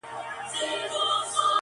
چا له وهمه ورته سپوڼ نه سو وهلای!